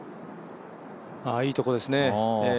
いいところですね。